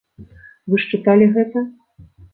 Вы ж чыталі гэта?